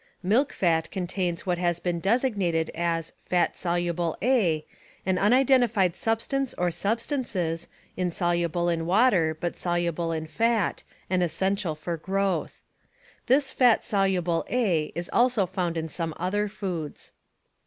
Milk fat contains what has been designated as "fat soluble A," an unidentified substance or substances, insoluble in water but soluble in fat — and essential for growth. This "fat soluble A" is also found in some other foods.